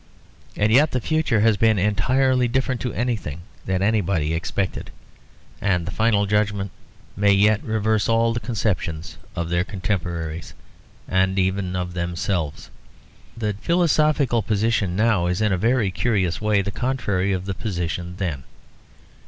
And yet the future has been entirely different to anything that anybody expected; and the final judgment may yet reverse all the conceptions of their contemporaries and even of themselves. The philosophical position now is in a very curious way the contrary of the position then.